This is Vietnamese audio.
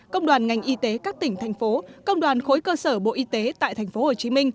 công đoàn ngành y tế các tỉnh thành phố công đoàn khối cơ sở bộ y tế tại tp hcm